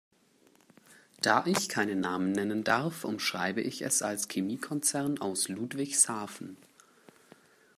Da ich keine Namen nennen darf, umschreibe ich es als Chemiekonzern aus Ludwigshafen.